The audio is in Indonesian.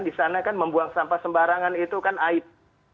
di sana kan membuang sampah sembarangan itu kan aib